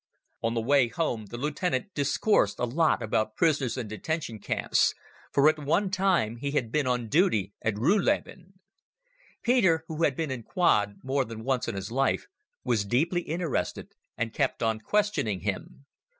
On the way home the lieutenant discoursed a lot about prisoners and detention camps, for at one time he had been on duty at Ruhleben. Peter, who had been in quod more than once in his life, was deeply interested and kept on questioning him.